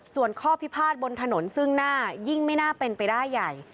ส่วนข้อพิพาทบนถนนซึ่งหน้ายิ่งไม่น่าเป็นไปได้ใหญ่